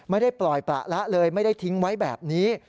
ไม่ได้ปล่อยประละเลยไม่ได้ทิ้งไว้แบบนี้